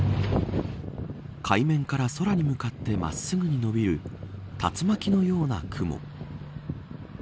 海面から空に向かってまっすぐ伸びる竜巻のような雲。